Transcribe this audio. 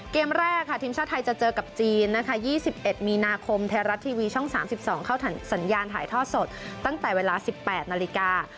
เกมแรกค่ะทีมชาติไทยจะเจอกับจีนนะคะ๒๑มีนาคมไทยรัฐทีวีช่อง๓๒เข้าสัญญาณถ่ายทอดสดตั้งแต่เวลา๑๘นาฬิกา